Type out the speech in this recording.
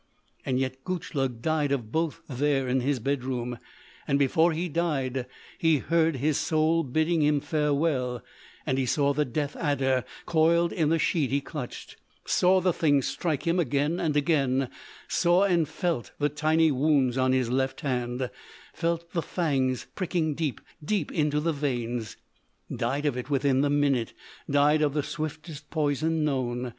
Yet Gutchlug died of both there in his bedroom.... And before he died he heard his soul bidding him farewell; and he saw the death adder coiled in the sheet he clutched—saw the thing strike him again and again—saw and felt the tiny wounds on his left hand; felt the fangs pricking deep, deep into the veins; died of it there within the minute—died of the swiftest poison known.